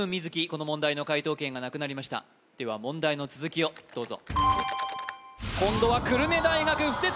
この問題の解答権がなくなりましたでは問題の続きをどうぞ今度は久留米大学附設